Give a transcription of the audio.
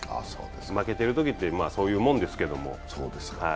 負けてるときってそういうもんですけれども。